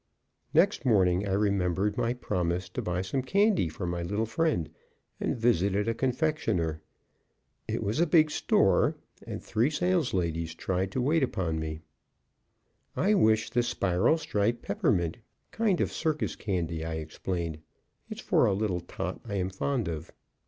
Next morning I remembered my promise to buy some candy for my little friend and visited a confectioner. It was a big store, and three salesladies tried to wait upon me. "I wish the spiral striped peppermint, kind of circus candy," I explained. "It's for a little tot I am fond of."